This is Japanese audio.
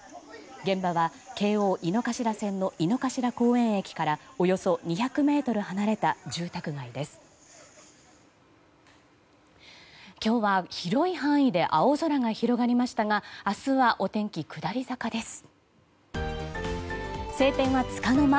現場は京王井の頭線の井の頭公園駅からおよそ２００ｍ離れた住宅街です。